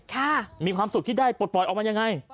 มีความสุขที่ได้ปลดปล่อยออกมายังไง